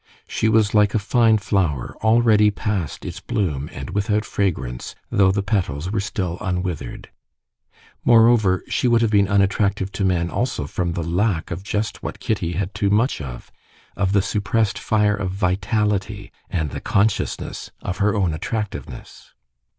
She was like a fine flower, already past its bloom and without fragrance, though the petals were still unwithered. Moreover, she would have been unattractive to men also from the lack of just what Kitty had too much of—of the suppressed fire of vitality, and the consciousness of her own attractiveness.